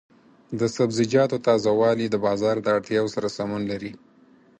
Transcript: د سبزیجاتو تازه والي د بازار د اړتیاوو سره سمون لري.